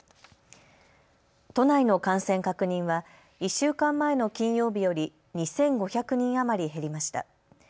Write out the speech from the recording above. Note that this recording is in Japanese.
都内の感染確認は１週間前の金曜日より２５００人余り減りました。